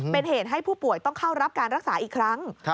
เป็นเหตุให้ผู้ป่วยต้องเข้ารับการรักษาอีกครั้ง